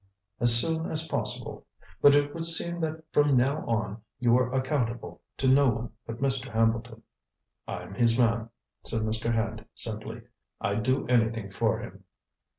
"As soon as possible. But it would seem that from now on you are accountable to no one but Mr. Hambleton." "I'm his man," said Mr. Hand simply. "I'd do anything for him."